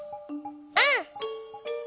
うん！